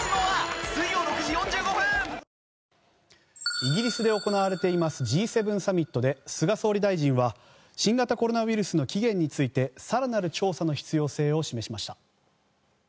イギリスで行われていますＧ７サミットで菅総理大臣は新型コロナウイルスの起源について更なる調査の必要性を示しました。